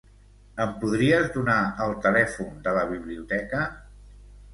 Em podries donar el telèfon de la biblioteca?